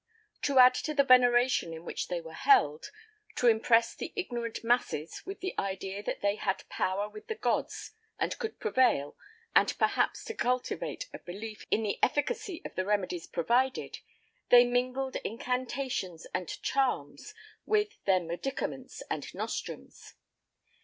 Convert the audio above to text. To add to the veneration in which they were held, to impress the ignorant masses with the idea that they had power with the gods and could prevail, and perhaps to cultivate a belief in the efficacy of the remedies provided, they mingled incantations and charms with their medicaments and nostrums.